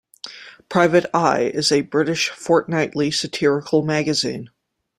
Private Eye is a British fortnightly satirical magazine.